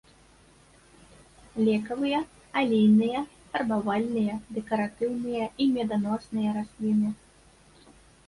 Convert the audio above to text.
Лекавыя, алейныя, фарбавальныя, дэкаратыўныя і меданосныя расліны.